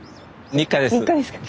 日課ですか？